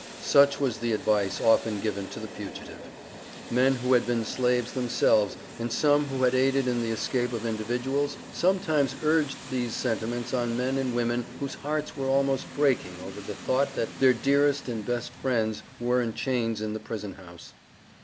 Such was the advice often given to the fugitive. Men who had been slaves themselves, and some who had aided in the escape of individuals, sometimes urged these sentiments on men and women whose hearts were almost breaking over the thought that their dearest and best friends were in chains in the prison house.